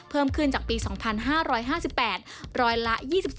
เพิ่มขึ้นจากปี๒๕๕๘ร้อยละ๒๒